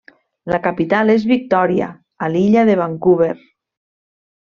La capital és Victòria, a l'illa de Vancouver.